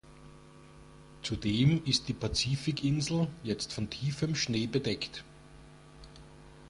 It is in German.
Zudem ist die Pazifikinsel jetzt von tiefem Schnee bedeckt.